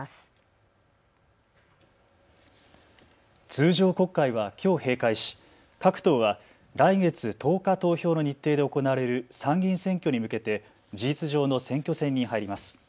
通常国会はきょう閉会し各党は来月１０日投票の日程で行われる参議院選挙に向けて事実上の選挙戦に入ります。